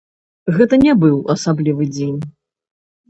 Гэта не быў асаблівы дзень.